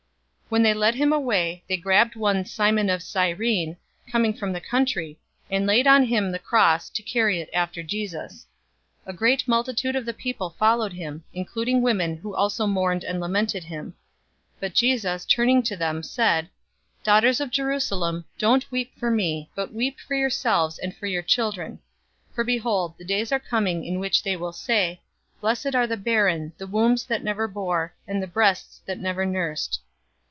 023:026 When they led him away, they grabbed one Simon of Cyrene, coming from the country, and laid on him the cross, to carry it after Jesus. 023:027 A great multitude of the people followed him, including women who also mourned and lamented him. 023:028 But Jesus, turning to them, said, "Daughters of Jerusalem, don't weep for me, but weep for yourselves and for your children. 023:029 For behold, the days are coming in which they will say, 'Blessed are the barren, the wombs that never bore, and the breasts that never nursed.'